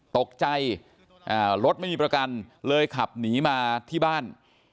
ตกใจรถไม่มีประกันเลยขับหนีมาที่บ้าน